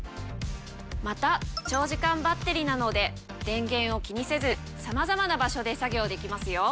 また長時間バッテリなので電源を気にせずさまざまな場所で作業できますよ。